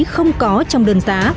không có trong đơn giá